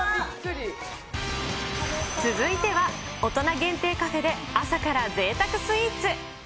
続いては、大人限定カフェで朝からぜいたくスイーツ。